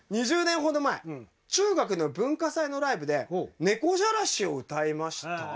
２０年ほど前中学の文化祭のライブで「ねこじゃらし」を歌いました。